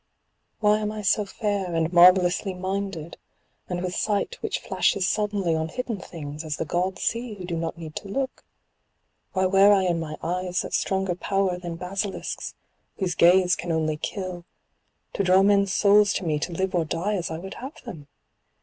Why am I so fair, and marvellously minded, and with sight which flashes suddenly on hidden things, as the gods see who do not need to look? why wear I in my eyes that stronger power than basilisks, whose gaze can only kill, to draw men's souls to me to live or die as I would have them?